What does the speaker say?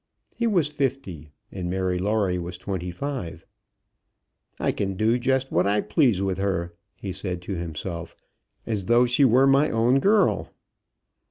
He was fifty and Mary Lawrie was twenty five. "I can do just what I please with her," he said to himself, "as though she were my own girl."